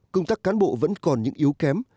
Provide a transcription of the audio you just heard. công tác cán bộ vẫn còn những yếu kém